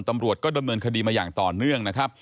ตำรวจก็ดำเนินคดีมาอย่างต่อเนื่องนะครับ